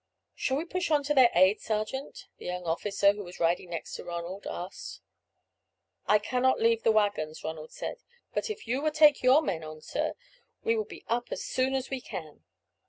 "Shall we push on to their aid, sergeant?" the young officer, who was riding next to Ronald, asked. "I cannot leave the waggons," Ronald said; "but if you would take your men on, sir, we will be up as soon as we can."